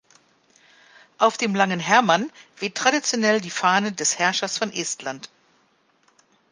Auf dem "Langen Hermann" weht traditionell die Fahne des Herrschers von Estland.